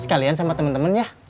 sekalian sama temen temen ya